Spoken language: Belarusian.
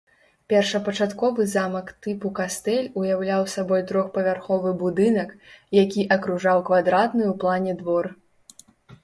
Першапачатковы замак тыпу кастэль уяўляў сабой трохпавярховы будынак, які акружаў квадратны ў плане двор.